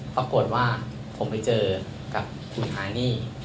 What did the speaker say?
ปรากฏว่าผมไปเจอกับคุณอานี่